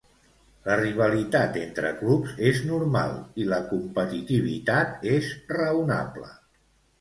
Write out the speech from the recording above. La rivalitat entre clubs és normal i la competitivitat és raonable.